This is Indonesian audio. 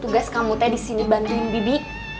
tugas kamu teh disini bantuin bibi